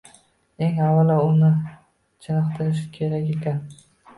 Eng avvalo, uni chiniqtirish kerak ekan